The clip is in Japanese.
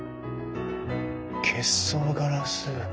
結霜ガラス。